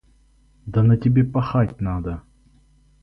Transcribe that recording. Да на тебе пахать надо!